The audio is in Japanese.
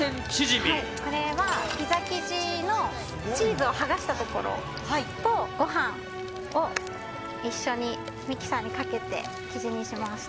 これは、ピザ生地のチーズを剥がしたところとご飯を一緒にミキサーにかけて生地にしました。